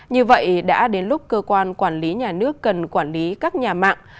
như vậy đã đến lúc cơ quan quản lý nhà nước cần quản lý các nhà mạng